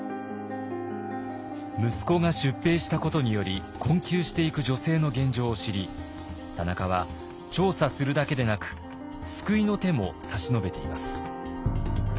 息子が出兵したことにより困窮していく女性の現状を知り田中は調査するだけでなく救いの手も差し伸べています。